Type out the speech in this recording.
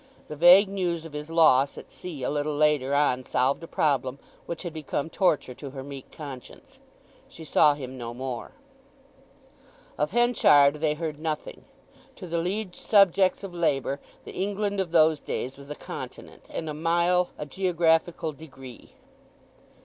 The vague news of his loss at sea a little later on solved a problem which had become torture to her meek conscience. She saw him no more. Of Henchard they heard nothing. To the liege subjects of Labour, the England of those days was a continent, and a mile a geographical degree.